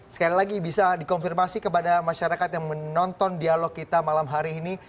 sekali lagi bisa dikonfirmasi kepada masyarakat yang menonton dialog kita malam hari ini